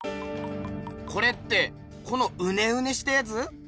これってこのウネウネしたやつ？